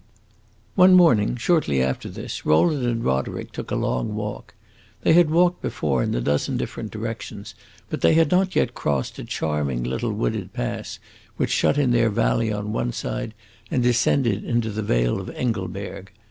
One morning, shortly after this, Rowland and Roderick took a long walk. They had walked before in a dozen different directions, but they had not yet crossed a charming little wooded pass, which shut in their valley on one side and descended into the vale of Engelberg.